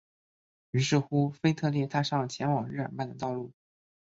于是乎腓特烈踏上前往日尔曼的道路。